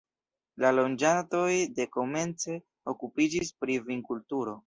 La loĝantoj dekomence okupiĝis pri vinkulturo.